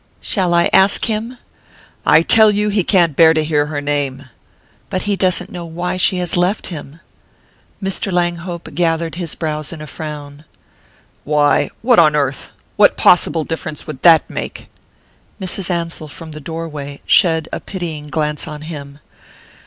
"Shall I ask him?" "I tell you he can't bear to hear her name!" "But he doesn't know why she has left him." Mr. Langhope gathered his brows in a frown. "Why what on earth what possible difference would that make?" Mrs. Ansell, from the doorway, shed a pitying glance on him.